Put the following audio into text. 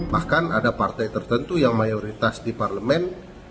bahkan ada partai tertentu yang mayoritas di parlemen